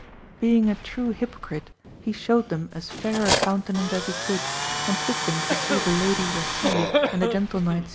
Being a true hypocrite, he showed them as fair a countenance as he could, and took them to see the Lady Oisille and the gentle knight Simontault.